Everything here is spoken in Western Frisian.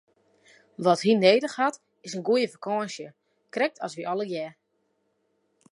Wat hy nedich hat is in goede fakânsje, krekt as wy allegearre!